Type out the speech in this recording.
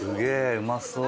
うまそう！